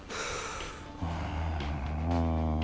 うん。